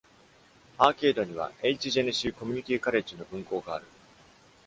アーケードには ｈ ジェネシーコミュニティカレッジの分校がある。